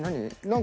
何？